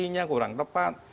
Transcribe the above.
fungsinya kurang tepat